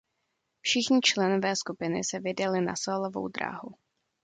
Všichni členové skupiny se vydali na sólovou dráhu.